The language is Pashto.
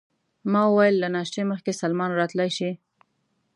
ما وویل: له ناشتې مخکې سلمان راتلای شي؟